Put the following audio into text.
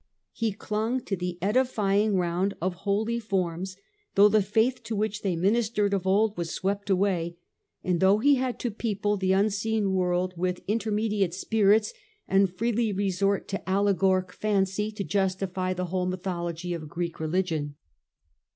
He clung to the edifying round of holy forms, though the faith to which they ministered of old was swept away, and though he had to people the unseen world with inter CH. vin. The L iter ary Currents of the Age. 1 8 1 mediate spirits, and freely resort to allegoric fancy, to justify the whole mythology of Greek religion.